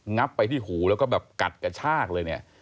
งับไปที่หูแล้วก็แบบกัดกระชากเลยเนี่ย